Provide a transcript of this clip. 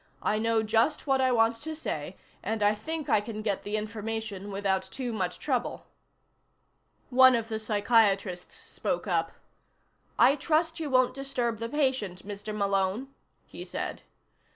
"I know just what I want to say, and I think I can get the information without too much trouble." One of the psychiatrists spoke up. "I trust you won't disturb the patient, Mr. Malone," he said.